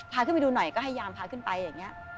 พาขึ้นไปดูหน่อยก็พยายามพาขึ้นไปอย่างนี้